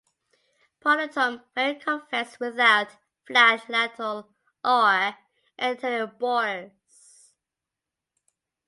Pronotum very convex without flat lateral or anterior borders.